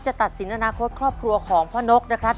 ตัดสินอนาคตครอบครัวของพ่อนกนะครับ